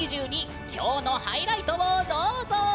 きょうのハイライトを、どうぞ。